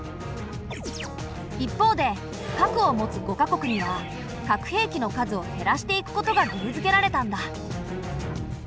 一方で核を持つ５か国には核兵器の数を減らしていくことが義務づけられたんだ。